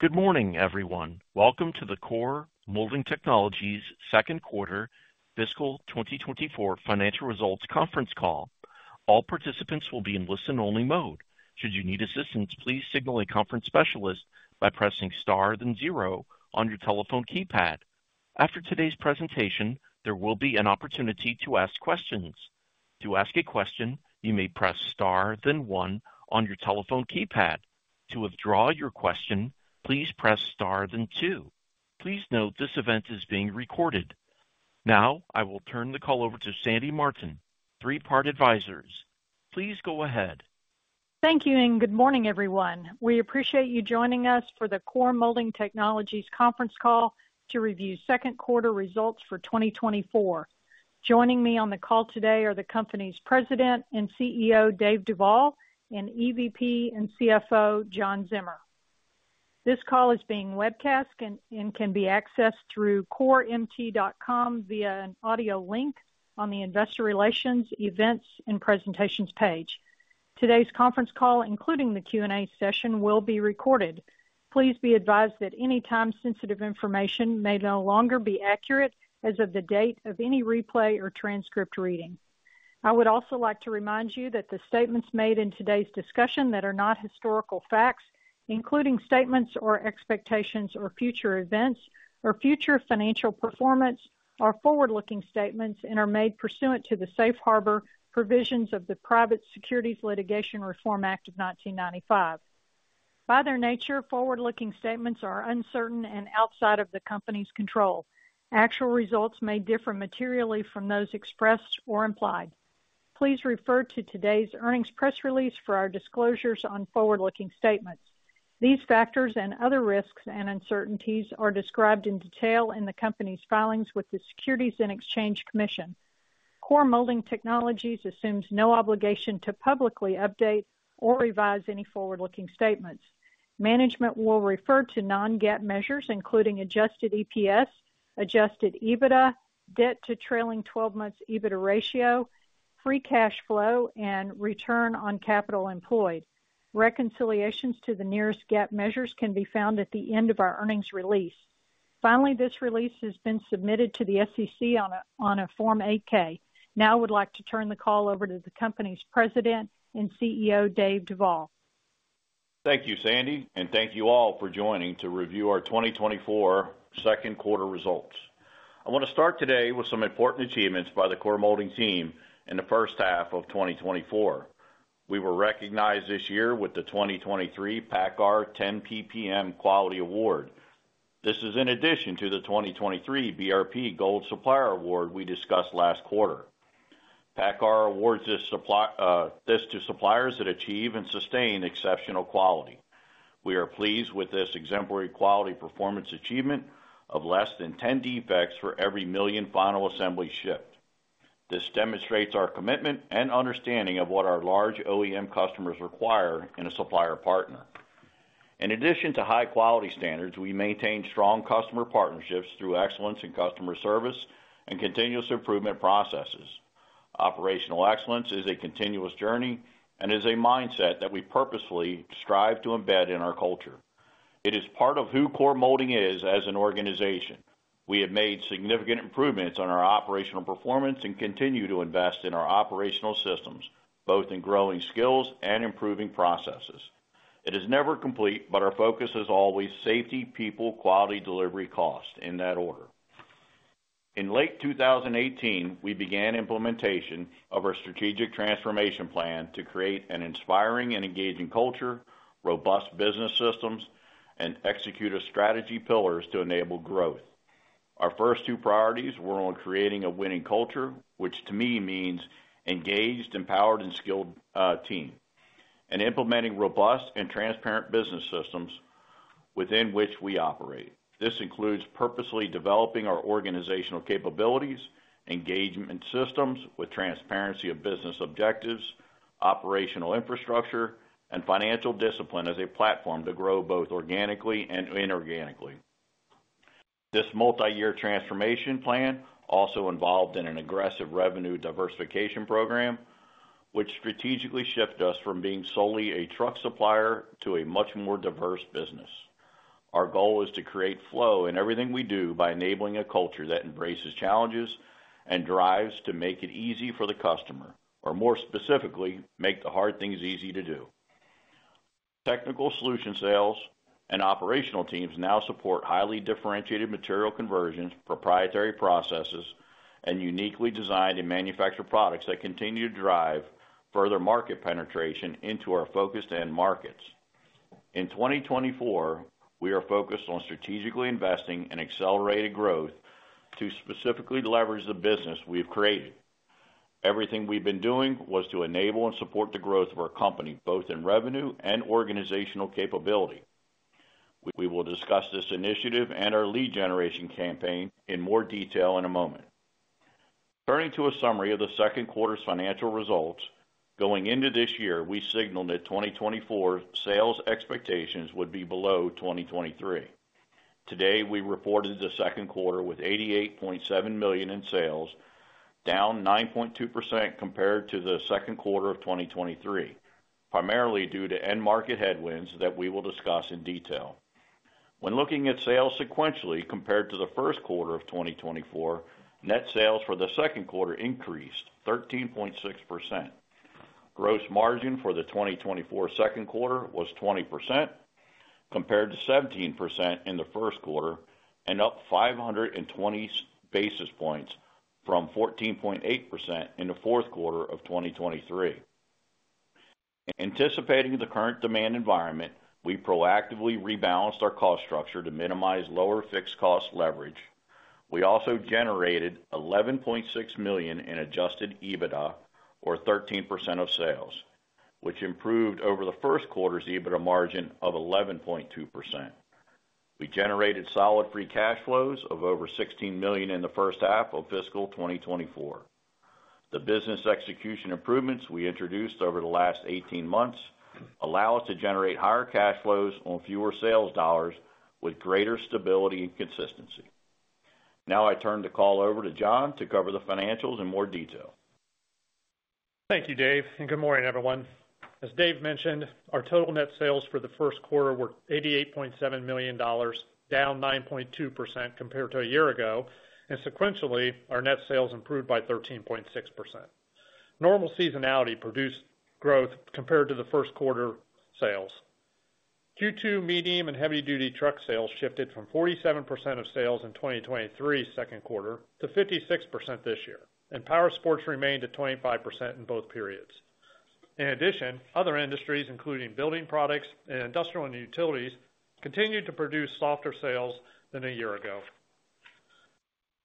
Good morning, everyone. Welcome to the Core Molding Technologies Second Quarter Fiscal 2024 Financial Results Conference Call. All participants will be in listen-only mode. Should you need assistance, please signal a conference specialist by pressing Star, then zero on your telephone keypad. After today's presentation, there will be an opportunity to ask questions. To ask a question, you may press Star, then one on your telephone keypad. To withdraw your question, please press Star, then two. Please note, this event is being recorded. Now, I will turn the call over to Sandy Martin, Three Part Advisors. Please go ahead. Thank you, and good morning, everyone. We appreciate you joining us for the Core Molding Technologies conference call to review second quarter results for 2024. Joining me on the call today are the company's President and CEO, Dave Duvall, and EVP and CFO, John Zimmer. This call is being webcast and can be accessed through coremt.com via an audio link on the Investor Relations Events and Presentations page. Today's conference call, including the Q&A session, will be recorded. Please be advised that any time-sensitive information may no longer be accurate as of the date of any replay or transcript reading. I would also like to remind you that the statements made in today's discussion that are not historical facts, including statements or expectations or future events or future financial performance, are forward-looking statements and are made pursuant to the safe harbor provisions of the Private Securities Litigation Reform Act of 1995. By their nature, forward-looking statements are uncertain and outside of the company's control. Actual results may differ materially from those expressed or implied. Please refer to today's earnings press release for our disclosures on forward-looking statements. These factors and other risks and uncertainties are described in detail in the company's filings with the Securities and Exchange Commission. Core Molding Technologies assumes no obligation to publicly update or revise any forward-looking statements. Management will refer to non-GAAP measures, including adjusted EPS, adjusted EBITDA, Debt to trailing-twelve-months EBITDA ratio, free cash flow, and return on capital employed. Reconciliations to the nearest GAAP measures can be found at the end of our earnings release. Finally, this release has been submitted to the SEC on a Form 8-K. Now, I would like to turn the call over to the company's President and CEO, Dave Duvall. Thank you, Sandy, and thank you all for joining to review our 2024 second quarter results. I want to start today with some important achievements by the Core Molding team in the first half of 2024. We were recognized this year with the 2023 PACCAR 10 PPM Quality Award. This is in addition to the 2023 BRP Gold Supplier Award we discussed last quarter. PACCAR awards this supply, this to suppliers that achieve and sustain exceptional quality. We are pleased with this exemplary quality performance achievement of less than 10 defects for every million final assembly shipped. This demonstrates our commitment and understanding of what our large OEM customers require in a supplier partner. In addition to high-quality standards, we maintain strong customer partnerships through excellence in customer service and continuous improvement processes. Operational excellence is a continuous journey and is a mindset that we purposefully strive to embed in our culture. It is part of who Core Molding is as an organization. We have made significant improvements on our operational performance and continue to invest in our operational systems, both in growing skills and improving processes. It is never complete, but our focus is always safety, people, quality, delivery, cost, in that order. In late 2018, we began implementation of our strategic transformation plan to create an inspiring and engaging culture, robust business systems, and execute our strategy pillars to enable growth. Our first two priorities were on creating a winning culture, which to me means engaged, empowered, and skilled team, and implementing robust and transparent business systems within which we operate. This includes purposefully developing our organizational capabilities, engagement systems with transparency of business objectives, operational infrastructure, and financial discipline as a platform to grow both organically and inorganically. This multi-year transformation plan also involved in an aggressive revenue diversification program, which strategically shifted us from being solely a truck supplier to a much more diverse business. Our goal is to create flow in everything we do by enabling a culture that embraces challenges and drives to make it easy for the customer, or more specifically, make the hard things easy to do. Technical solution sales and operational teams now support highly differentiated material conversions, proprietary processes, and uniquely designed and manufactured products that continue to drive further market penetration into our focused end markets. In 2024, we are focused on strategically investing in accelerated growth to specifically leverage the business we've created. Everything we've been doing was to enable and support the growth of our company, both in revenue and organizational capability. We will discuss this initiative and our lead generation campaign in more detail in a moment. Turning to a summary of the second quarter's financial results, going into this year, we signaled that 2024 sales expectations would be below 2023.... Today, we reported the second quarter with $88.7 million in sales, down 9.2% compared to the second quarter of 2023, primarily due to end market headwinds that we will discuss in detail. When looking at sales sequentially compared to the first quarter of 2024, net sales for the second quarter increased 13.6%. Gross margin for the 2024 second quarter was 20%, compared to 17% in the first quarter, and up 520 basis points from 14.8% in the fourth quarter of 2023. Anticipating the current demand environment, we proactively rebalanced our cost structure to minimize lower fixed cost leverage. We also generated $11.6 million in adjusted EBITDA, or 13% of sales, which improved over the first quarter's EBITDA margin of 11.2%. We generated solid free cash flows of over $16 million in the first half of fiscal 2024. The business execution improvements we introduced over the last 18 months allow us to generate higher cash flows on fewer sales dollars with greater stability and consistency. Now I turn the call over to John to cover the financials in more detail. Thank you, Dave, and good morning, everyone. As Dave mentioned, our total net sales for the first quarter were $88.7 million, down 9.2% compared to a year ago, and sequentially, our net sales improved by 13.6%. Normal seasonality produced growth compared to the first quarter sales. Q2 medium and heavy-duty truck sales shifted from 47% of sales in 2023 second quarter to 56% this year, and powersports remained at 25% in both periods. In addition, other industries, including building products and industrial and utilities, continued to produce softer sales than a year ago.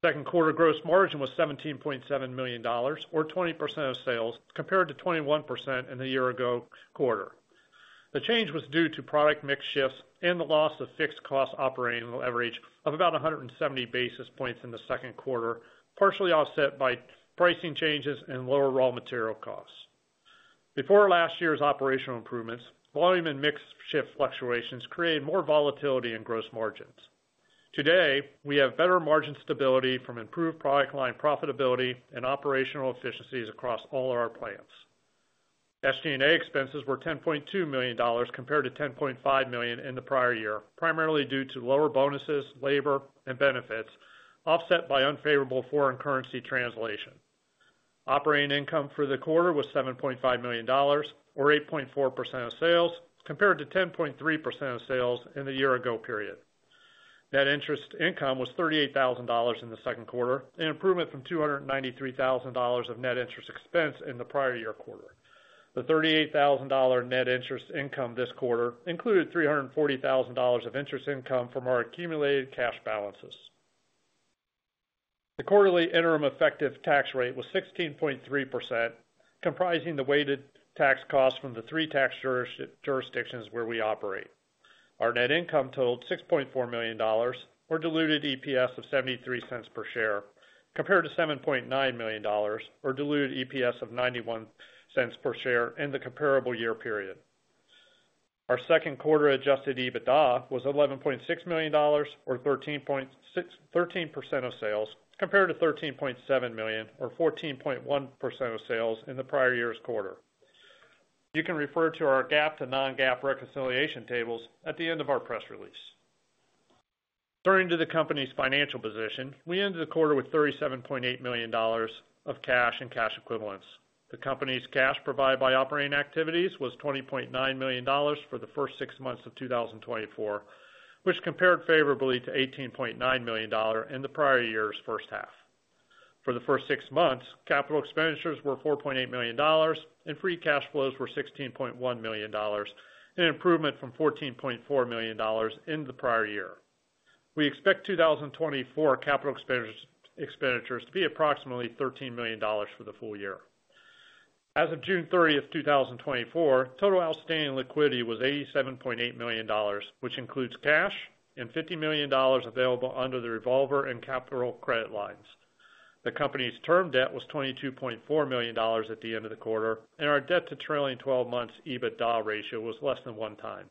Second quarter gross margin was $17.7 million, or 20% of sales, compared to 21% in the year ago quarter. The change was due to product mix shifts and the loss of fixed cost operational leverage of about 170 basis points in the second quarter, partially offset by pricing changes and lower raw material costs. Before last year's operational improvements, volume and mix shift fluctuations created more volatility in gross margins. Today, we have better margin stability from improved product line profitability and operational efficiencies across all of our plants. SG&A expenses were $10.2 million, compared to $10.5 million in the prior year, primarily due to lower bonuses, labor, and benefits, offset by unfavorable foreign currency translation. Operating income for the quarter was $7.5 million, or 8.4% of sales, compared to 10.3% of sales in the year ago period. Net interest income was $38,000 in the second quarter, an improvement from $293,000 of net interest expense in the prior year quarter. The $38,000 net interest income this quarter included $340,000 of interest income from our accumulated cash balances. The quarterly interim effective tax rate was 16.3%, comprising the weighted tax cost from the three tax jurisdictions where we operate. Our net income totaled $6.4 million, or diluted EPS of $0.73 per share, compared to $7.9 million, or diluted EPS of $0.91 per share in the comparable year period. Our second quarter adjusted EBITDA was $11.6 million or 13.6%-13% of sales, compared to $13.7 million or 14.1% of sales in the prior year's quarter. You can refer to our GAAP to non-GAAP reconciliation tables at the end of our press release. Turning to the company's financial position, we ended the quarter with $37.8 million of cash and cash equivalents. The company's cash provided by operating activities was $20.9 million for the first six months of 2024, which compared favorably to $18.9 million in the prior year's first half. For the first six months, capital expenditures were $4.8 million, and free cash flows were $16.1 million, an improvement from $14.4 million in the prior year. We expect 2024 capital expenditures, expenditures to be approximately $13 million for the full year. As of June 30, 2024, total outstanding liquidity was $87.8 million, which includes cash and $50 million available under the revolver and capital credit lines. The company's term debt was $22.4 million at the end of the quarter, and our debt to trailing-twelve-months EBITDA ratio was less than 1x.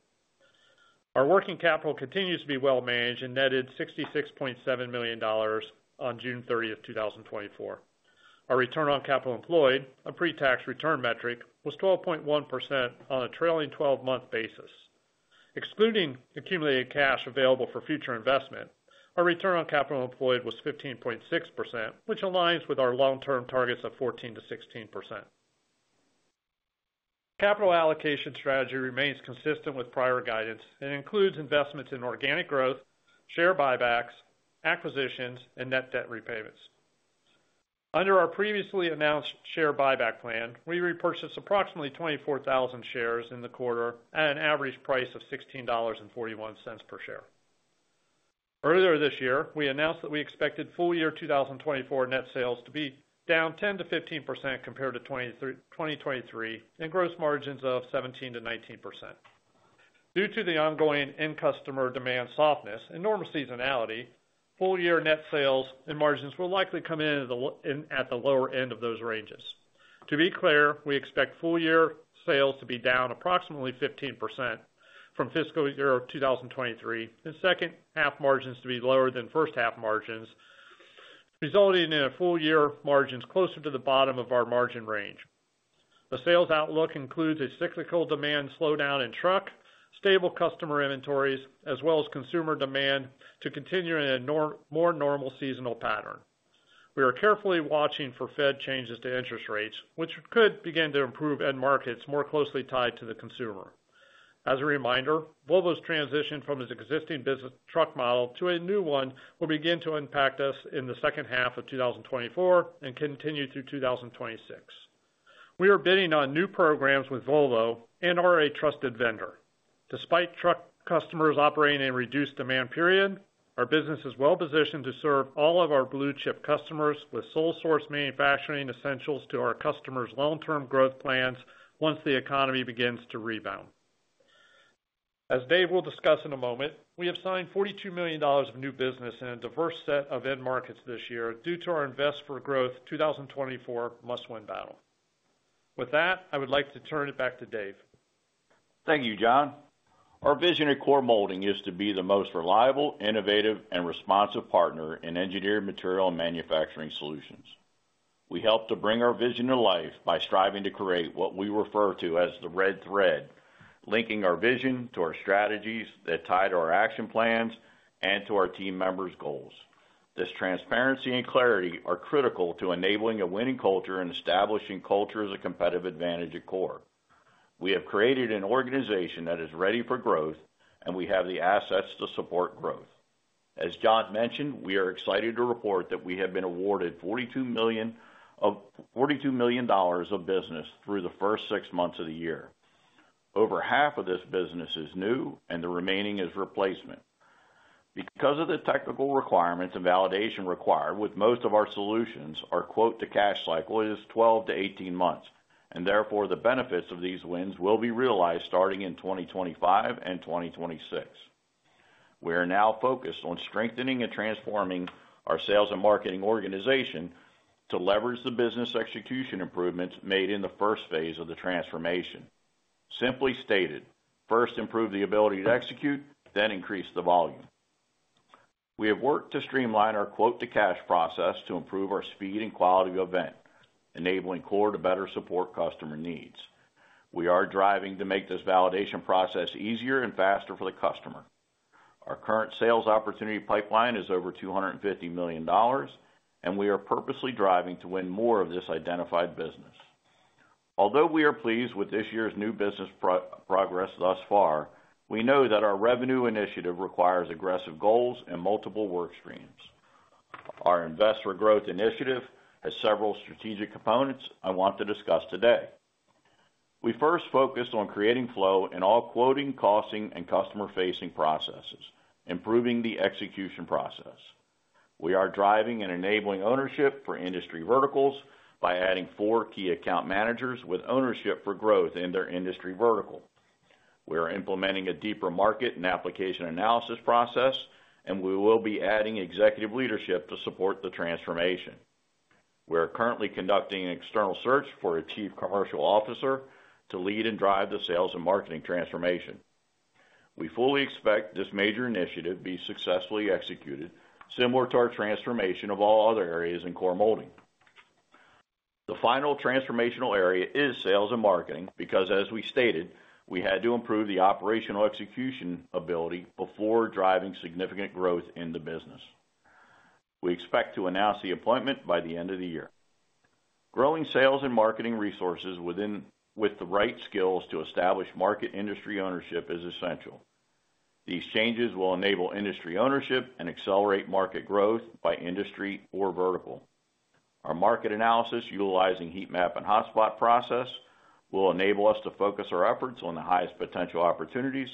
Our working capital continues to be well managed and netted $66.7 million on June 30, 2024. Our return on capital employed, a pre-tax return metric, was 12.1% on a trailing twelve-month basis. Excluding accumulated cash available for future investment, our return on capital employed was 15.6%, which aligns with our long-term targets of 14%-16%. Capital allocation strategy remains consistent with prior guidance and includes investments in organic growth, share buybacks, acquisitions, and net debt repayments. Under our previously announced share buyback plan, we repurchased approximately 24,000 shares in the quarter at an average price of $16.41 per share. Earlier this year, we announced that we expected full year 2024 net sales to be down 10%-15% compared to 2023, and gross margins of 17%-19%. Due to the ongoing end customer demand softness and normal seasonality, full year net sales and margins will likely come in at the lower end of those ranges. To be clear, we expect full year sales to be down approximately 15% from fiscal year 2023, and second half margins to be lower than first half margins, resulting in a full year margins closer to the bottom of our margin range. The sales outlook includes a cyclical demand slowdown in truck, stable customer inventories, as well as consumer demand to continue in a more normal seasonal pattern. We are carefully watching for Fed changes to interest rates, which could begin to improve end markets more closely tied to the consumer. As a reminder, Volvo's transition from its existing business truck model to a new one will begin to impact us in the second half of 2024 and continue through 2026. We are bidding on new programs with Volvo and are a trusted vendor. Despite truck customers operating in reduced demand period, our business is well positioned to serve all of our blue-chip customers with sole source manufacturing essentials to our customers' long-term growth plans once the economy begins to rebound. As Dave will discuss in a moment, we have signed $42 million of new business in a diverse set of end markets this year, due to our Invest for Growth 2024 must-win battle. With that, I would like to turn it back to Dave. Thank you, John. Our vision at Core Molding is to be the most reliable, innovative, and responsive partner in engineered material and manufacturing solutions. We help to bring our vision to life by striving to create what we refer to as the red thread, linking our vision to our strategies that tie to our action plans and to our team members' goals. This transparency and clarity are critical to enabling a winning culture and establishing culture as a competitive advantage at Core. We have created an organization that is ready for growth, and we have the assets to support growth. As John mentioned, we are excited to report that we have been awarded $42 million of business through the first six months of the year. Over half of this business is new, and the remaining is replacement. Because of the technical requirements and validation required with most of our solutions, our quote-to-cash cycle is 12-18 months, and therefore, the benefits of these wins will be realized starting in 2025 and 2026. We are now focused on strengthening and transforming our sales and marketing organization to leverage the business execution improvements made in the first phase of the transformation. Simply stated, first, improve the ability to execute, then increase the volume. We have worked to streamline our quote-to-cash process to improve our speed and quality of event, enabling Core to better support customer needs. We are driving to make this validation process easier and faster for the customer. Our current sales opportunity pipeline is over $250 million, and we are purposely driving to win more of this identified business. Although we are pleased with this year's new business progress thus far, we know that our revenue initiative requires aggressive goals and multiple work streams. Our Invest for Growth initiative has several strategic components I want to discuss today. We first focused on creating flow in all quoting, costing, and customer-facing processes, improving the execution process. We are driving and enabling ownership for industry verticals by adding four key account managers with ownership for growth in their industry vertical. We are implementing a deeper market and application analysis process, and we will be adding executive leadership to support the transformation. We are currently conducting an external search for a Chief Commercial Officer to lead and drive the sales and marketing transformation. We fully expect this major initiative be successfully executed, similar to our transformation of all other areas in Core Molding. The final transformational area is sales and marketing, because, as we stated, we had to improve the operational execution ability before driving significant growth in the business. We expect to announce the appointment by the end of the year. Growing sales and marketing resources with the right skills to establish market industry ownership is essential. These changes will enable industry ownership and accelerate market growth by industry or vertical. Our market analysis, utilizing Heat map and Hotspot process, will enable us to focus our efforts on the highest potential opportunities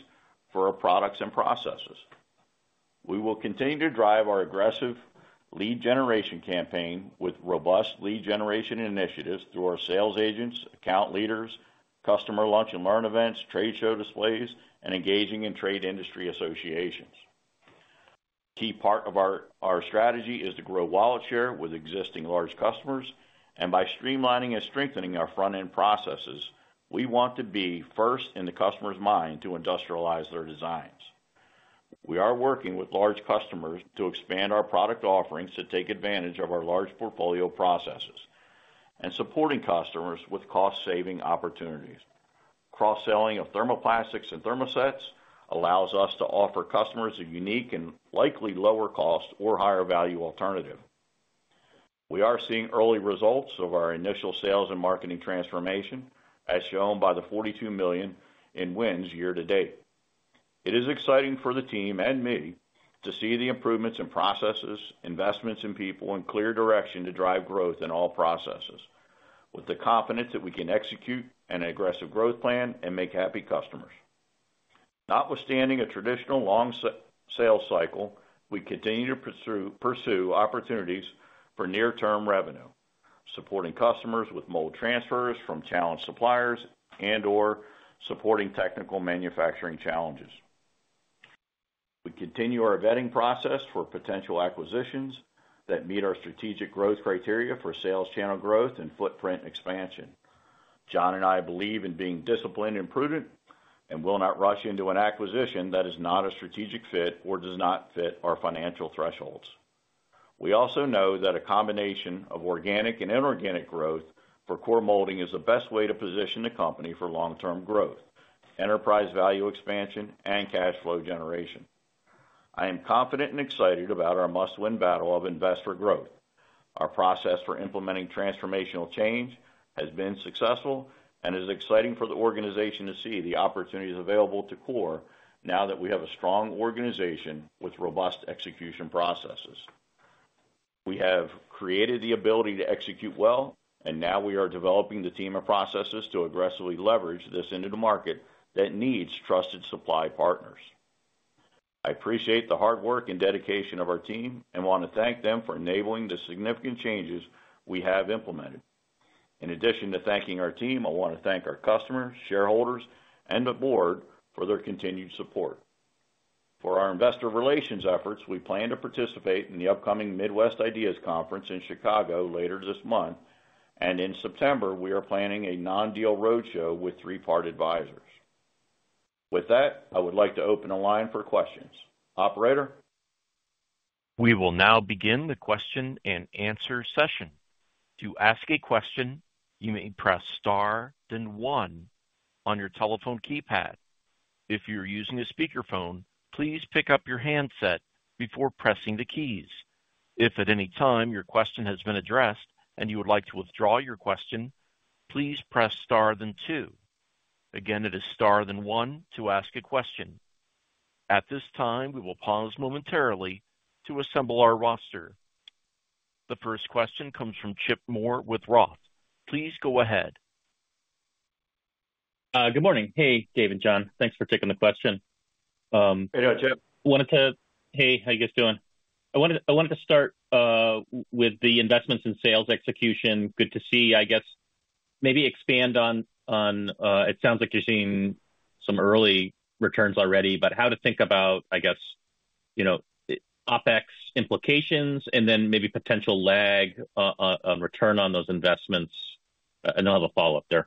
for our products and processes. We will continue to drive our aggressive lead generation campaign with robust lead generation initiatives through our sales agents, account leaders, customer lunch and learn events, trade show displays, and engaging in trade industry associations. Key part of our strategy is to grow wallet share with existing large customers, and by streamlining and strengthening our front-end processes, we want to be first in the customer's mind to industrialize their designs. We are working with large customers to expand our product offerings to take advantage of our large portfolio processes and supporting customers with cost-saving opportunities. Cross-selling of thermoplastics and thermosets allows us to offer customers a unique and likely lower cost or higher value alternative. We are seeing early results of our initial sales and marketing transformation, as shown by the $42 million in wins year to date. It is exciting for the team and me to see the improvements in processes, investments in people, and clear direction to drive growth in all processes, with the confidence that we can execute an aggressive growth plan and make happy customers. Notwithstanding a traditional long sales cycle, we continue to pursue opportunities for near-term revenue, supporting customers with mold transfers from challenged suppliers and/or supporting technical manufacturing challenges. We continue our vetting process for potential acquisitions that meet our strategic growth criteria for sales channel growth and footprint expansion. John and I believe in being disciplined and prudent, and will not rush into an acquisition that is not a strategic fit or does not fit our financial thresholds. We also know that a combination of organic and inorganic growth for Core Molding is the best way to position the company for long-term growth, enterprise value expansion, and cash flow generation. I am confident and excited about our must-win battle of Invest for Growth. Our process for implementing transformational change has been successful and is exciting for the organization to see the opportunities available to Core now that we have a strong organization with robust execution processes. We have created the ability to execute well, and now we are developing the team and processes to aggressively leverage this into the market that needs trusted supply partners. I appreciate the hard work and dedication of our team and want to thank them for enabling the significant changes we have implemented. In addition to thanking our team, I want to thank our customers, shareholders, and the board for their continued support. For our investor relations efforts, we plan to participate in the upcoming Midwest IDEAS Conference in Chicago later this month. In September, we are planning a non-deal roadshow with Three Part Advisors. With that, I would like to open a line for questions. Operator? We will now begin the question and answer session. To ask a question, you may press star, then one on your telephone keypad. If you're using a speakerphone, please pick up your handset before pressing the keys. If at any time your question has been addressed and you would like to withdraw your question, please press star, then two. Again, it is star, then one to ask a question. At this time, we will pause momentarily to assemble our roster. The first question comes from Chip Moore with Roth. Please go ahead. Good morning. Hey, Dave and John, thanks for taking the question. Hey, Chip. Hey, how you guys doing? I wanted to start with the investments in sales execution. Good to see, I guess, maybe expand on, on, it sounds like you're seeing some early returns already, but how to think about, I guess, you know, the OpEx implications and then maybe potential lag on return on those investments? And I'll have a follow-up there.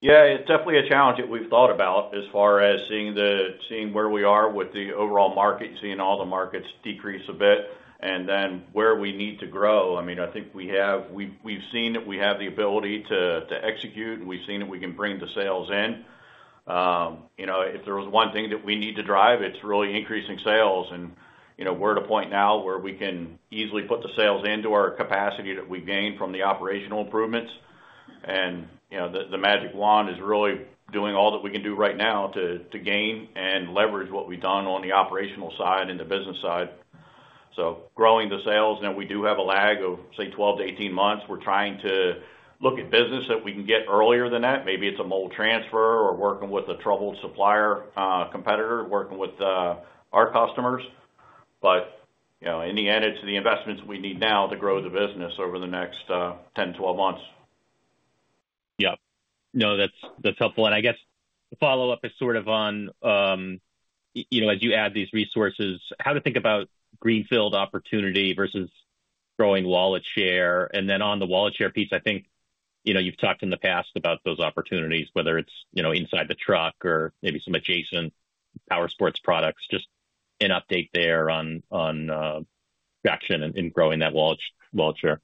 Yeah, it's definitely a challenge that we've thought about as far as seeing where we are with the overall market, seeing all the markets decrease a bit, and then where we need to grow. I mean, I think we've seen that we have the ability to execute, and we've seen that we can bring the sales in. You know, if there was one thing that we need to drive, it's really increasing sales. And, you know, we're at a point now where we can easily put the sales into our capacity that we gained from the operational improvements. And, you know, the magic wand is really doing all that we can do right now to gain and leverage what we've done on the operational side and the business side. So growing the sales, now, we do have a lag of, say, 12 months-18 months. We're trying to look at business that we can get earlier than that. Maybe it's a mold transfer or working with a troubled supplier, competitor, working with our customers. But, you know, in the end, it's the investments we need now to grow the business over the next 10, 12 months. Yeah. No, that's, that's helpful. And I guess the follow-up is sort of on, you know, as you add these resources, how to think about greenfield opportunity versus growing wallet share. And then on the wallet share piece, I think, you know, you've talked in the past about those opportunities, whether it's, you know, inside the truck or maybe some adjacent power sports products. Just an update there on, traction in growing that wallet, wallet share.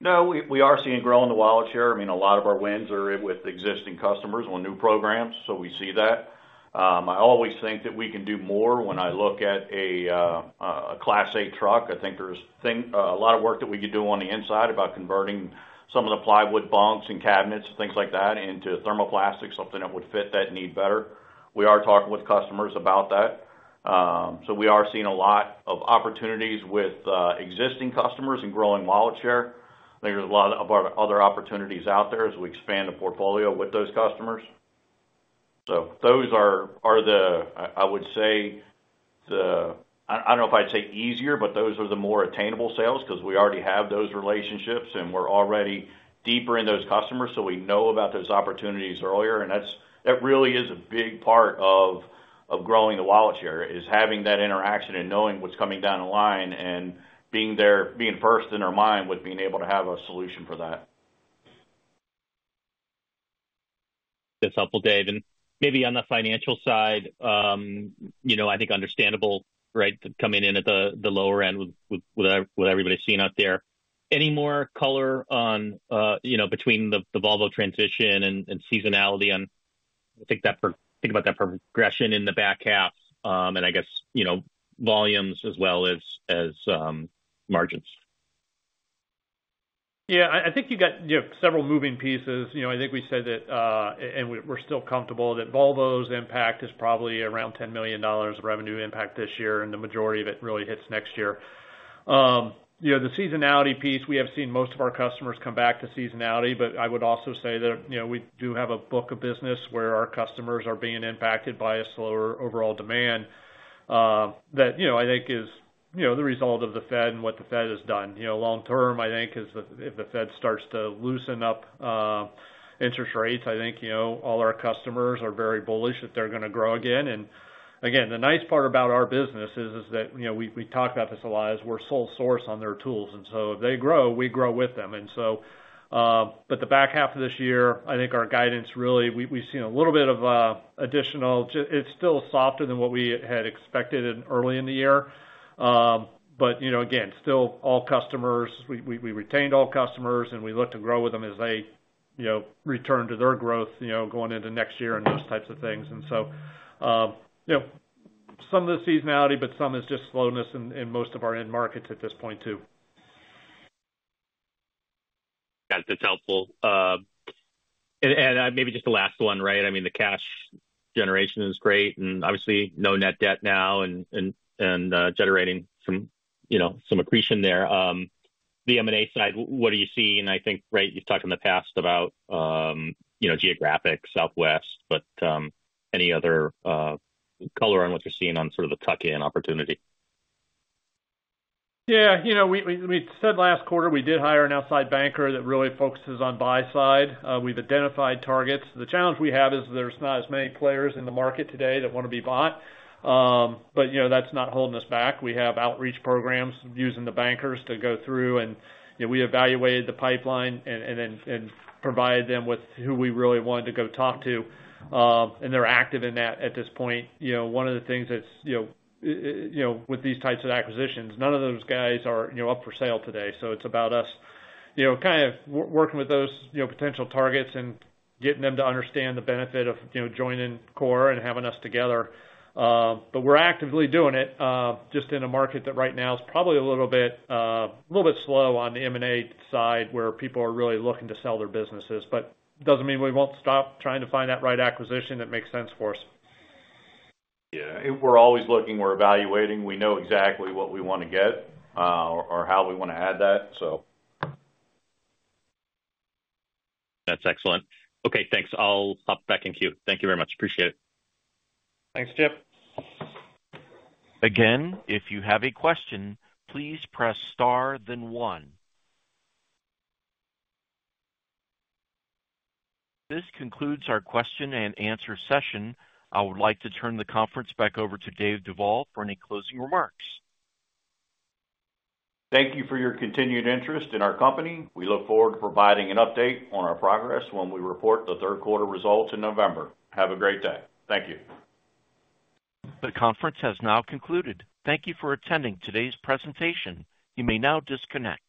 No, we are seeing growth in the wallet share. I mean, a lot of our wins are with existing customers on new programs, so we see that. I always think that we can do more when I look at a Class A truck. I think there's a lot of work that we could do on the inside about converting some of the plywood bunks and cabinets, things like that, into thermoplastics, something that would fit that need better. We are talking with customers about that. So we are seeing a lot of opportunities with existing customers and growing wallet share. I think there's a lot of our other opportunities out there as we expand the portfolio with those customers. So those are the, I would say, the... I don't know if I'd say easier, but those are the more attainable sales, because we already have those relationships, and we're already deeper in those customers, so we know about those opportunities earlier. And that's really a big part of growing the wallet share, is having that interaction and knowing what's coming down the line and being there, being first in their mind with being able to have a solution for that. That's helpful, Dave. Maybe on the financial side, you know, I think understandable, right, coming in at the lower end with what everybody's seeing out there. Any more color on, you know, between the Volvo transition and seasonality and think about that progression in the back half, and I guess, you know, volumes as well as margins? Yeah, I think you got, you know, several moving pieces. You know, I think we said that, and we're still comfortable that Volvo's impact is probably around $10 million of revenue impact this year, and the majority of it really hits next year. You know, the seasonality piece, we have seen most of our customers come back to seasonality, but I would also say that, you know, we do have a book of business where our customers are being impacted by a slower overall demand. That, you know, I think is, you know, the result of the Fed and what the Fed has done. You know, long term, I think is if the Fed starts to loosen up interest rates, I think, you know, all our customers are very bullish that they're gonna grow again. And again, the nice part about our business is that, you know, we talked about this a lot, is we're sole source on their tools, and so if they grow, we grow with them. And so, but the back half of this year, I think our guidance, really, we've seen a little bit of additional—it's still softer than what we had expected early in the year. But, you know, again, still, all customers, we retained all customers, and we look to grow with them as they, you know, return to their growth, you know, going into next year and those types of things. And so, you know, some of the seasonality, but some is just slowness in most of our end markets at this point, too. That's helpful. And maybe just the last one, right? I mean, the cash generation is great, and obviously, no net debt now and generating some, you know, some accretion there. The M&A side, what are you seeing? I think, right, you've talked in the past about, you know, geographic Southwest, but, any other, color on what you're seeing on sort of the tuck-in opportunity? Yeah. You know, we said last quarter, we did hire an outside banker that really focuses on buy side. We've identified targets. The challenge we have is there's not as many players in the market today that wanna be bought. But, you know, that's not holding us back. We have outreach programs using the bankers to go through, and, you know, we evaluated the pipeline and then provided them with who we really wanted to go talk to. And they're active in that at this point. You know, one of the things that's, you know, with these types of acquisitions, none of those guys are, you know, up for sale today. So it's about us, you know, kind of working with those, you know, potential targets and getting them to understand the benefit of, you know, joining Core and having us together. But we're actively doing it, just in a market that right now is probably a little bit, a little bit slow on the M&A side, where people are really looking to sell their businesses, but doesn't mean we won't stop trying to find that right acquisition that makes sense for us. Yeah, we're always looking, we're evaluating. We know exactly what we wanna get, or how we wanna add that, so. That's excellent. Okay, thanks. I'll hop back in queue. Thank you very much. Appreciate it. Thanks, Chip. Again, if you have a question, please press star, then one. This concludes our question and answer session. I would like to turn the conference back over to Dave Duvall for any closing remarks. Thank you for your continued interest in our company. We look forward to providing an update on our progress when we report the third quarter results in November. Have a great day. Thank you. The conference has now concluded. Thank you for attending today's presentation. You may now disconnect.